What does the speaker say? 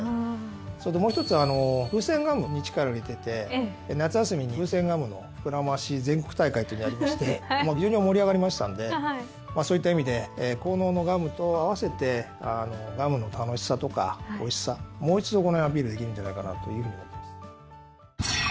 それともう一つふせんガムに力を入れてて夏休みにふせんガムの膨らまし全国大会というのやりまして非常に盛り上がりましたんでそういった意味で効能のガムと併せてガムの楽しさとかおいしさもう一度この辺アピールできるんじゃないかなというふうに思ってます。